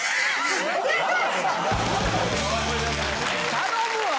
頼むわ！